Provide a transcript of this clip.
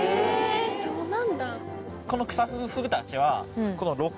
そうなんだ。